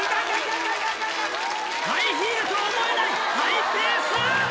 ハイヒールとは思えないハイペース！